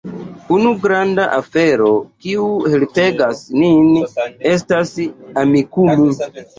Unu granda afero, kiu helpegas nin, estas Amikumu.